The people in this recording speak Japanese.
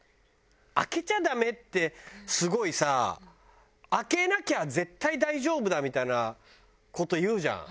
開けちゃダメってすごいさ開けなきゃ絶対大丈夫だみたいな事言うじゃん。